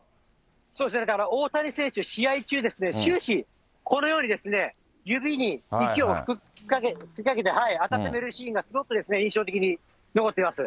そうですね、だから大谷選手、試合中、終始、このように指に息を吹きかけて、温めるシーンが、すごく印象的に残ってます。